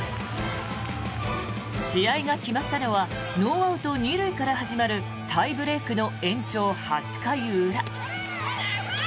試合が決まったのはノーアウト２塁から始まるタイブレークの延長８回裏。